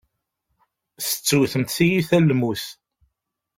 Tettewtemt tiyita n lmut.